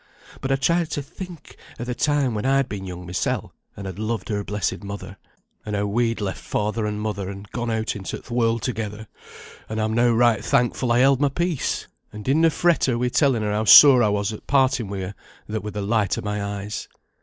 But I tried to think o' the time when I'd been young mysel, and had loved her blessed mother, and how we'd left father and mother and gone out into th' world together, and I'm now right thankful I held my peace, and didna fret her wi' telling her how sore I was at parting wi' her that were the light o' my eyes."